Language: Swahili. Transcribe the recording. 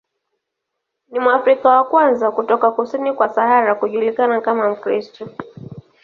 Ni Mwafrika wa kwanza kutoka kusini kwa Sahara kujulikana kama Mkristo.